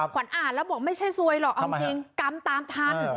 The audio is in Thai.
ขวัญอ่านแล้วบอกไม่ใช่ซวยหรอกเอาจริงกรรมตามทัน